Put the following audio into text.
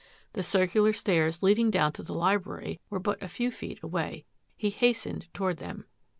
The circular stairs leading down to the library were but a few feet away. He hastened toward them.